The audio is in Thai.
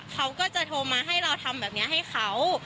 เขาก็จะโทรมาให้เราทำแบบนี้ให้เขา